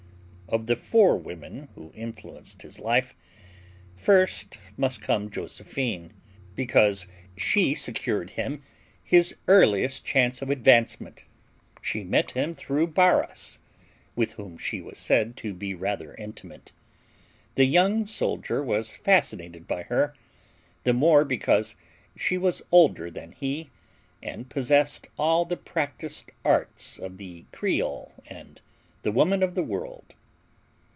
Of the four women who influenced his life, first must come Josephine, because she secured him his earliest chance of advancement. She met him through Barras, with whom she was said to be rather intimate. The young soldier was fascinated by her the more because she was older than he and possessed all the practised arts of the creole and the woman of the world.